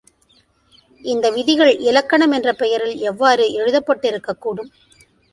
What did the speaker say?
இந்த விதிகள் இலக்கணம் என்ற பெயரில் எவ்வாறு எழுதப்பட்டிருக்கக் கூடும்?